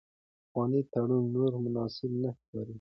پخوانی تړون نور مناسب نه ښکاري.